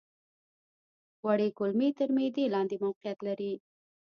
وړې کولمې تر معدې لاندې موقعیت لري.